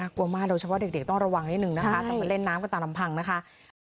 กลัวมากโดยเฉพาะเด็กต้องระวังนิดนึงนะคะต้องมาเล่นน้ำกันตามลำพังนะคะ